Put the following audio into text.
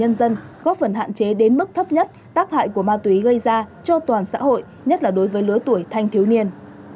nhân dân góp phần hạn chế đến mức thấp nhất tác hại của ma túy gây ra cho toàn xã hội nhất là đối với lứa tuổi thanh thiếu niên